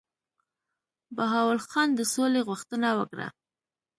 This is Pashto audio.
بهاول خان د سولي غوښتنه وکړه.